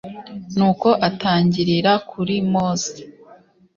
nuko atangirira kuri mose